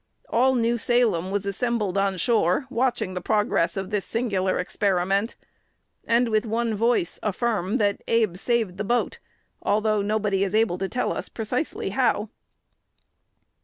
All New Salem was assembled on shore, watching the progress of this singular experiment, and with one voice affirm that Abe saved the boat; although nobody is able to tell us precisely how.